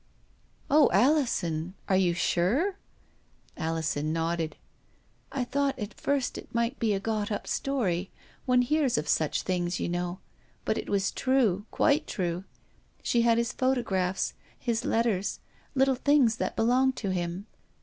" O Alison, are you &wre ?" Alison nodded. "I thought at first it might be a got up story — one hears of such things, you know. But it was true, quite true. She had his photographs, his letters, little things that belonged to him.